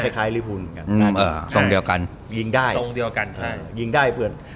คล้ายรีฟูลกันส่องเดียวกันยิงได้